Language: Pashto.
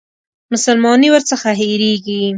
مسلماني ورڅخه هېرېږي.